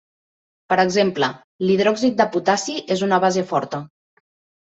Per exemple, l'hidròxid de potassi és una base forta.